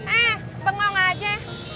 eh bengong aja